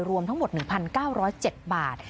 รวมทั้งหมด๑๙๐๗บาท